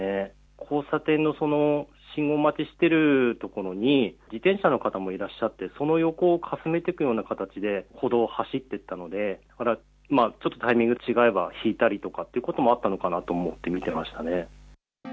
交差点のその信号待ちしている所に、自転車の方もいらっしゃって、その横をかすめていくような形で歩道を走っていったので、ちょっとタイミング違えば、ひいたりとかっていうこともあったのかなと思って見てましたね。